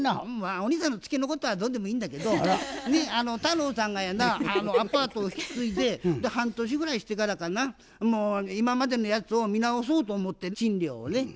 お兄さんのツケのことはどうでもいいんだけど太郎さんがやなアパートを引き継いで半年ぐらいしてからかな今までのやつを見直そうと思って賃料をね。